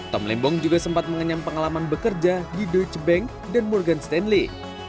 tom lembong juga sempat mengenyam pengalaman bekerja di doch bank dan morgan stanley